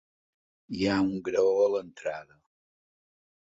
Hi ha un graó a l'entrada.